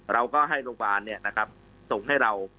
เราก็ให้โรงพยาบาลส่งให้เรา